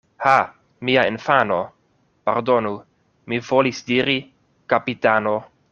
Ha! mia infano ... pardonu, mi volis diri: kapitano.